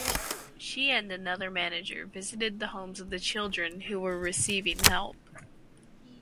She and another manager visited the homes of the children who were receiving help.